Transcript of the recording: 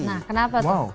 nah kenapa tuh